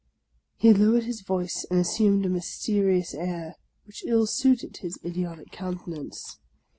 " He lowered his voice and assumed a mysterious air, which ill suited with his idiotic countenance.